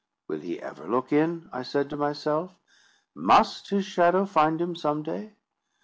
"Will he ever look in?" I said to myself. "Must his shadow find him some day?"